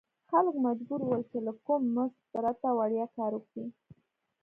خلک مجبور ول چې له کوم مزد پرته وړیا کار وکړي.